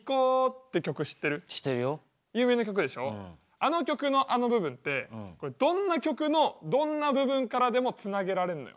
あの曲のあの部分ってこれどんな曲のどんな部分からでもつなげられんのよ。